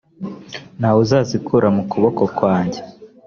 nta wuzazikura mu kuboko kwanjye